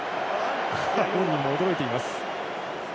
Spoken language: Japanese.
本人も驚いています。